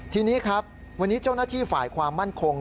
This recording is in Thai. ทีนี้ครับวันนี้เจ้าหน้าที่ฝ่ายความมั่นคง